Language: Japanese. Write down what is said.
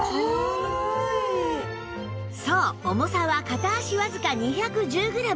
そう重さは片足わずか２１０グラム